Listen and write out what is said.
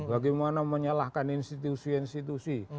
bagaimana menyalahkan institusi institusi